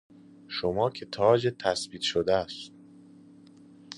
شما که تاجِت تثبیت شده است